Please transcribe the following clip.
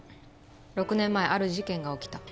６年前ある事件が起きた。